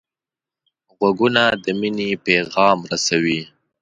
غوږونه د مینې پیغام رسوي